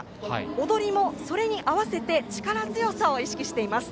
踊りも、それに合わせて力強さを意識しています。